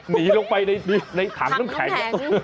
หนีลงไปในถังน้ำแข็ง